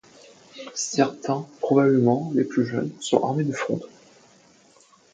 Certains, probablement les plus jeunes, sont armés de frondes.